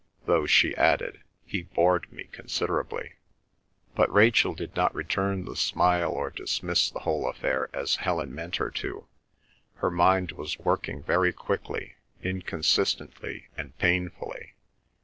Though," she added, "he bored me considerably." But Rachel did not return the smile or dismiss the whole affair, as Helen meant her to. Her mind was working very quickly, inconsistently and painfully.